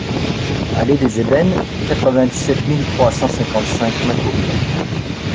Allée des Ébènes, quatre-vingt-dix-sept mille trois cent cinquante-cinq Macouria